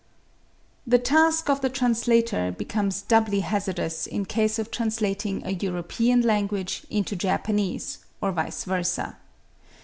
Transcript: The task of the translator becomes doubly hazardous in case of translating a European language into Japanese, or vice versa.